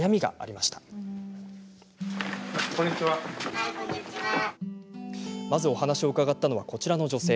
まず、お話を伺ったのはこちらの女性。